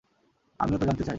আমিও তো জানতে চাই।